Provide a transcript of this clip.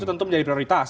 itu tentu menjadi prioritas